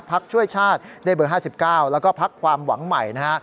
พรรคช่วยชาติได้เบอร์ห้าสิบเก้าแล้วก็พรรคความหวังใหม่นะฮะ